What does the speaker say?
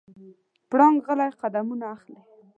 پړانګ غلی قدمونه اخلي.